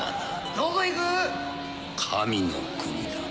どこへ行く⁉神の国だ。